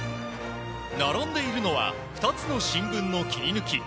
並んでいるのは２つの新聞の切り抜き。